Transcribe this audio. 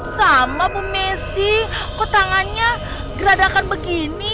sama bu messi kok tangannya gradakan begini